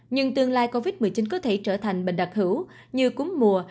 nhưng tương lai covid một mươi chín có thể trở thành bệnh đặc hữu như cúm mùa